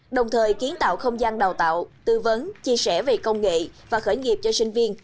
đồng thời kiến tạo không gian đào tạo tư vấn chia sẻ về công nghệ và khởi nghiệp cho sinh viên